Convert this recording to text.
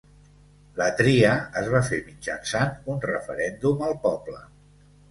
La tria es va fer mitjançant un referèndum al poble.